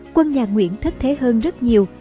quân nhà nguyễn thất thế hơn rất nhiều